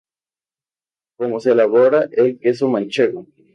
Como se elabora el queso manchego